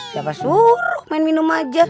siapa suruh main minum aja